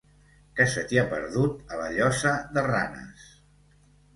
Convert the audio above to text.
Què se t'hi ha perdut, a la Llosa de Ranes?